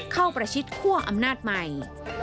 ประชิดคั่วอำนาจใหม่